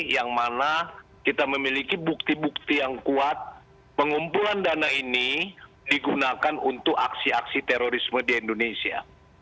yang mana kita memiliki bukti bukti yang kuat pengumpulan dana ini digunakan untuk aksi aksi terorisme di indonesia